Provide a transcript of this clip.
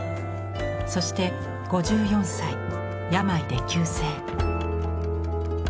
そして５４歳病で急逝。